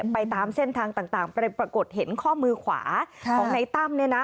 ไปตามเส้นทางต่างไปปรากฏเห็นข้อมือขวาของในตั้มเนี่ยนะ